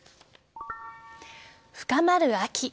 深まる秋。